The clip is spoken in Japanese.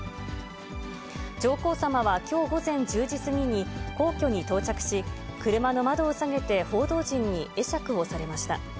上皇さまはきょう午前１０時過ぎに、皇居に到着し、車の窓を下げて、報道陣に会釈をされました。